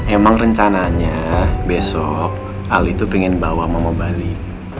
emang rencananya besok ali tuh pengen bawa mama balik